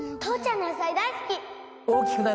父ちゃんの野菜大好き！